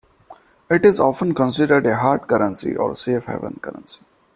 It is often considered a hard currency or safe-haven currency.